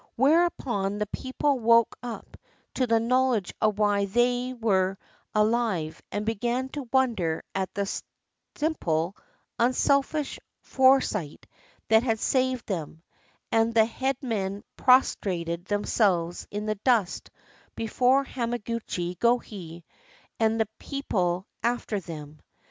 Whereupon the people woke up to the knowledge of why they were alive, and began to wonder at the simple, unselfish fore sight that had saved them ; and the head men prostrated themselves in the dust before Hamaguchi Gohei, and the people after them.